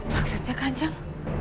maksudnya kan ceng